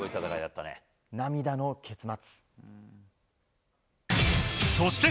涙の結末。